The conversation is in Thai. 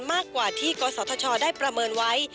มากกว่าที่กศธชได้ประเมินไว้